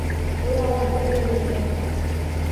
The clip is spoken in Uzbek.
O‘raldi bir-biriga.